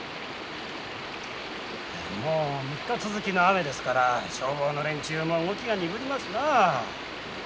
もう３日続きの雨ですから消防の連中も動きが鈍りますなあ。